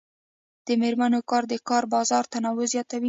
د میرمنو کار د کار بازار تنوع زیاتوي.